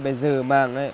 bây giờ mang